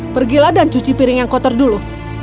pergilah dan cuci piring yang kotor dulu